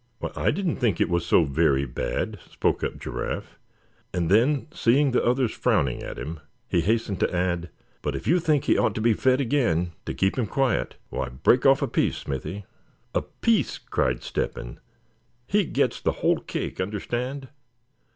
"Why, I didn't think it was so very bad," spoke up Giraffe; and then, seeing the others frowning at him, he hastened to add; "but if you think he ought to be fed again, to keep him quiet, why break off a piece, Smithy." "A piece!" cried Step hen, "he gets the whole cake, understand.